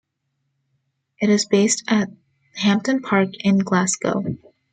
It is based at Hampden Park in Glasgow.